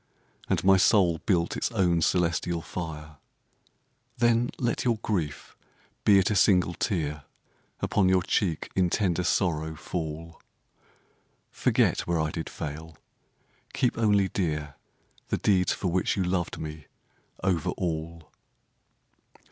And my soul built its own celestial fire. Then let your grief, be it a single tear. Upon your cheek in tender sorrow fall. Forget where I did fail; keep only dear The deeds for which you loved me over all.